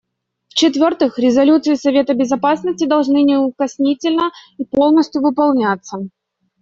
В-четвертых, резолюции Совета Безопасности должны неукоснительно и полностью выполняться.